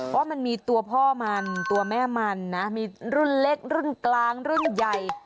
ว่ามันมีตัวพ่อมันตัวแม่มันนะมีรุ่นเล็กรุ่นกลางรุ่นใหญ่